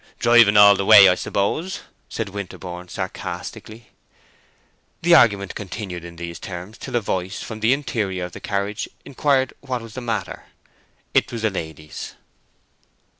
"Driving all the way, I suppose," said Winterborne, sarcastically. The argument continued in these terms till a voice from the interior of the carriage inquired what was the matter. It was a lady's.